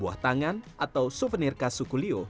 buah tangan atau souvenir khas suku lio